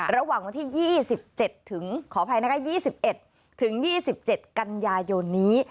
ระหว่างวันที่๒๑๒๗กันยายนนี้